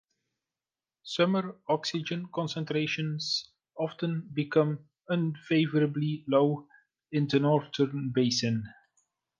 Summer oxygen concentrations often become unfavorably low in the northern basin.